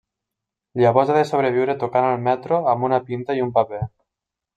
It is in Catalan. Llavors ha de sobreviure tocant al metro amb una pinta i un paper.